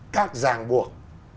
các giàng buộc